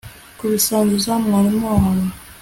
kubisangiza mwarimu wawe